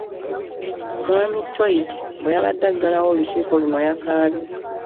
Mw. Toit, bwe yabadde aggalawo olukiiko luno yakaabye